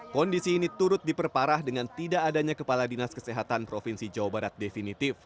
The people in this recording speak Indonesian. kondisi ini turut diperparah dengan tidak adanya kepala dinas kesehatan provinsi jawa barat definitif